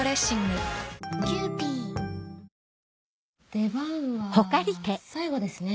出番は最後ですね。